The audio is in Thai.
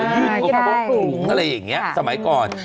ยืดอกโพกผลุงอะไรอย่างนี้สมัยก่อน